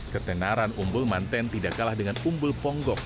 ketenaran unggul mantan tidak kalah dengan unggul ponggok